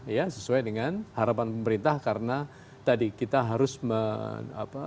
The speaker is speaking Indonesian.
ya sesuai dengan harapan pemerintah karena tadi kita harus melakukan